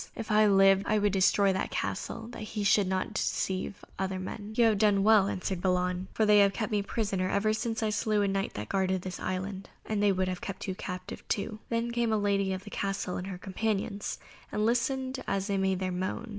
If I lived, I would destroy that castle that he should not deceive other men." "You would have done well," answered Balan, "for they have kept me prisoner ever since I slew a Knight that guarded this island, and they would have kept you captive too." Then came the lady of the castle and her companions, and listened as they made their moan.